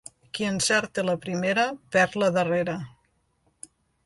Qui encerta la primera perd la darrera.